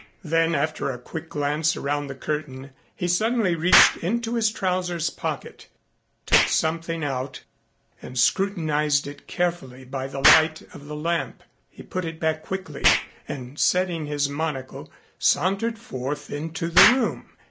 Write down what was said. Then after a quick glance around the curtain he suddenly reached into his trousers pocket, took something out and scrutinized it carefully by the light of the lamp. He put it back quickly and setting his monocle sauntered forth into the room.